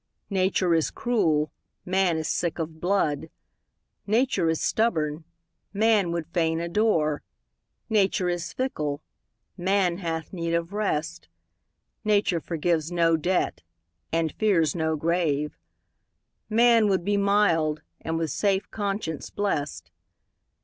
Nature is cruel, man is sick of blood; Nature is stubborn, man would fain adore; Nature is fickle, man hath need of rest; Nature forgives no debt, and fears no grave; Man would be mild, and with safe conscience blest.